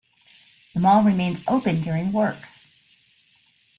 The mall remains open during works.